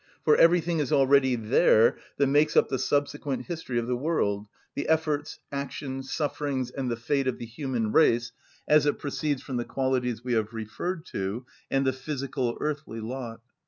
For everything is already there that makes up the subsequent history of the world: the efforts, action, sufferings, and fate of the human race as it proceeds from the qualities we have referred to, and the physical earthly lot.